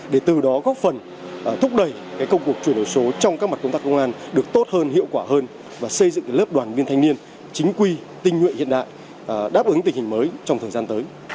để từ đó góp phần thúc đẩy công cuộc chuyển đổi số trong các mặt công tác công an được tốt hơn hiệu quả hơn và xây dựng lớp đoàn viên thanh niên chính quy tinh nguyện hiện đại đáp ứng tình hình mới trong thời gian tới